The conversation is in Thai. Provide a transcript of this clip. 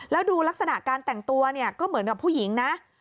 แล้วดูลักษณะการแต่งตัวเนี่ยก็เหมือนกับผู้หญิงนะ